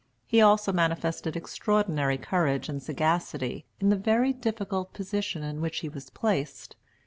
He also manifested extraordinary courage and sagacity in the very difficult position in which he was placed.